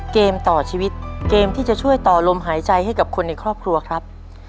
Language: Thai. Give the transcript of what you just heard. เกมต่อชีวิตเกมที่จะช่วยต่อลมหายใจให้กับคนในครอบครัวครับ